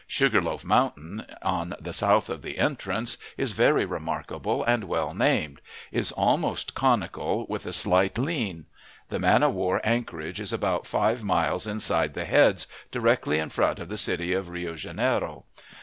Sugar loaf Mountain, on the south of the entrance, is very remarkable and well named; is almost conical, with a slight lean. The man of war anchorage is about five miles inside the heads, directly in front of the city of Rio Janeiro.